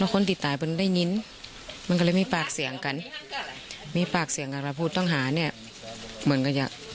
คิดมานานแล้ว